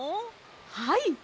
はい。